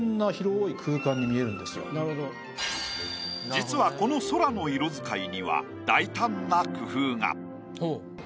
実はこの空の色使いには大胆な工夫が。